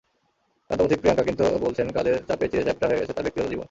ক্লান্তপথিক প্রিয়াঙ্কা কিন্তু বলছেন, কাজের চাপে চিড়েচ্যাপ্টা হয়ে গেছে তাঁর ব্যক্তিগত জীবন।